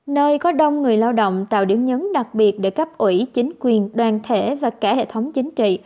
nơi có đông người lao động tạo điểm nhấn đặc biệt để cấp ủy chính quyền đoàn thể và cả hệ thống chính trị